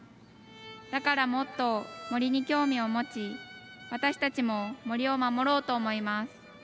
だから、もっと森に興味を持ち私たちも森を守ろうと思います。